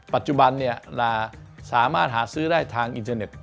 ปัจจุบันสามารถหาซื้อได้ทางอินเทอร์เน็ต